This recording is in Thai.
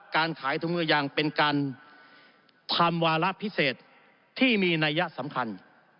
การขายถุงมือยางเป็นการทำวาระพิเศษที่มีนัยสำคัญ